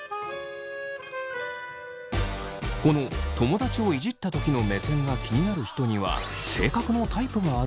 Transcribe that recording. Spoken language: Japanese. この友達をイジったときの目線が気になる人には性格のタイプがあるという。